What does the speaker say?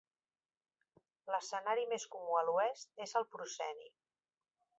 L'escenari més comú a l'oest és el prosceni.